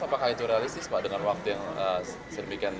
apakah itu realistis pak dengan waktu yang sedemikian